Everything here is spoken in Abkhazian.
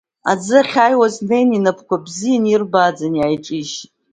Аӡы ахьааиуаз днеин, инапқәа бзиа ирбааӡан, иааиҿишьит.